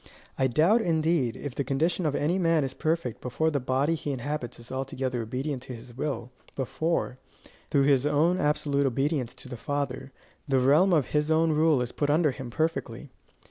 I doubt, indeed, if the condition of any man is perfect before the body he inhabits is altogether obedient to his will before, through his own absolute obedience to the Father, the realm of his own rule is put under him perfectly.